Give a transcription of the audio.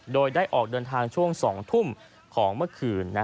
โดยได้ออกเดินทางช่วง๒ทุ่มของเมื่อคืน